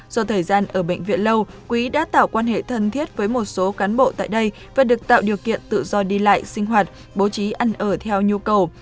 do thời gian ở bệnh viện lâu quý đã tạo quan hệ thân thiết với một số cán bộ tại đây và được tạo điều kiện tự do đi lại sinh hoạt bố trí ăn ở theo nhu cầu